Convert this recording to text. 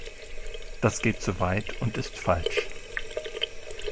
Das geht zu weit und ist falsch.